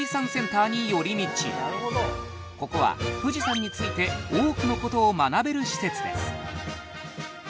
ここは富士山について多くのことを学べる施設です